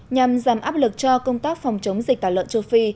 nhằm giảm áp lực cho công tác phòng chống dịch tả lợn châu phi